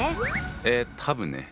え多分ね。